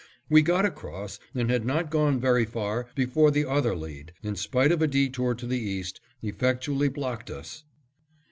We got across and had not gone very far before the other lead, in spite of a detour to the east, effectually blocked us.